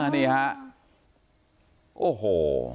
นี่ฮะโอ้โห